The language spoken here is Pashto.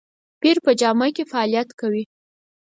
د پیر په جامه کې فعالیت کوي.